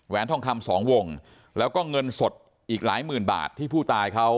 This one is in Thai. ทองคำสองวงแล้วก็เงินสดอีกหลายหมื่นบาทที่ผู้ตายเขา